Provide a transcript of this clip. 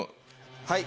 はい。